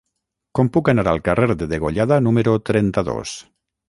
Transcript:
Com puc anar al carrer de Degollada número trenta-dos?